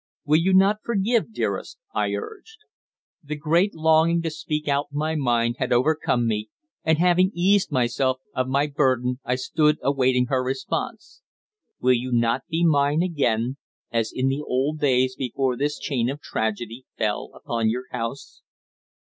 "Will you not forgive, dearest?" I urged. The great longing to speak out my mind had overcome me, and having eased myself of my burden I stood awaiting her response. "Will you not be mine again, as in the old days before this chain of tragedy fell upon your house?"